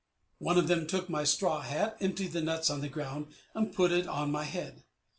One of them took my straw hat, emptied the nuts on the ground, and put it on my head.